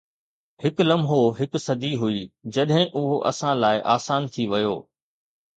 هڪ لمحو هڪ صدي هئي جڏهن اهو اسان لاء آسان ٿي ويو